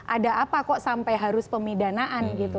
ada apa kok sampai harus pemidanaan gitu